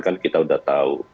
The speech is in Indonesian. kan kita udah tahu